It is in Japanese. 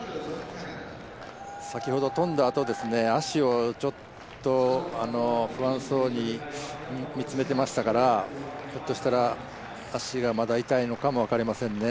先ほど跳んだあと、足を不安そうに見つめていましたからひょっとしたら、足がまだ痛いのかも分かりませんね。